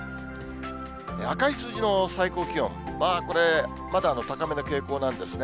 赤い数字の最高気温、まあこれ、まだ高めの傾向なんですね。